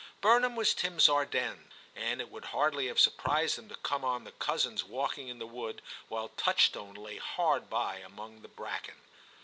Burnham was Tim*s Ardennes, and it would hardly have surprised him to come on the cousins walking in the wood while Touchstone lay hard by among the bracken.